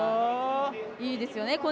いいですよね。